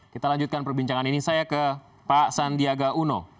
kita lanjutkan perbincangan ini saya ke pak sandiaga uno